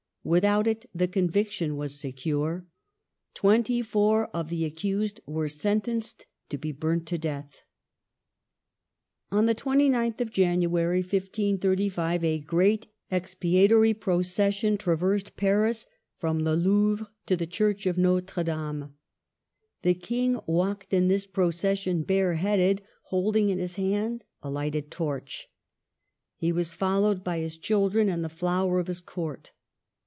Without it the conviction was secure. Twenty four of the accused were sentenced to be burnt to death. On the 29th of January, 1535, a great expia tory procession traversed Paris from the Louvre to the Church of Notre Dame. The King walked in this procession, bareheaded, holding in his hand a lighted torch. He was followed by his children and the flower of his Court.